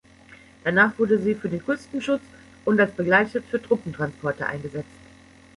Danach wurde sie für den Küstenschutz und als Begleitschiff für Truppentransporte eingesetzt.